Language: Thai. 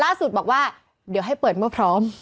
ล่าสุดบอกว่าเดี๋ยวให้เปิดเมื่อพร้อม